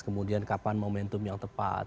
kemudian kapan momentum yang tepat